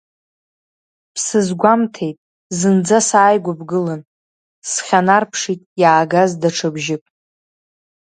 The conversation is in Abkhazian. Бсызгәамҭеит зынӡа сааигәа бгылан, схьанарԥшит иаагаз даҽа бжьык.